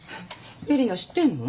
えりな知ってんの？